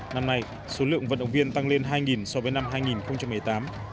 năm nay số lượng vận động viên tăng lên hai so với năm hai nghìn một mươi tám